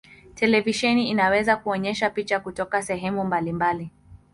Televisheni inaweza kuonyesha picha kutoka sehemu mbalimbali.